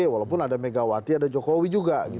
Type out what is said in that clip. walaupun ada megawati ada jokowi juga